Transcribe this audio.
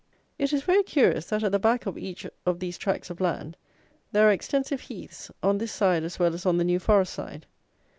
It is very curious that, at the back of each of these tracts of land, there are extensive heaths, on this side as well as on the New Forest side.